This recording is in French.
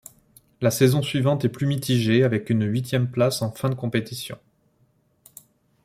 La saison suivante est plus mitigée avec une huitième place en fin de compétition.